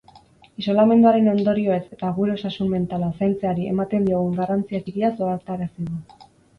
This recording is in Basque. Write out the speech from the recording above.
Isolamenduaren ondorioez eta gure osasun mentala zaintzeari ematen diogun garrantzia txikiaz ohartarazi du.